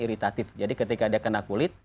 iritatif jadi ketika dia kena kulit